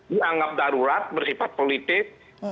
dianggap darurat bersifat politik